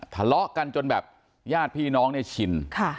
ทะเลาะกันจนแบบญาติพี่น้องเนี่ยชิน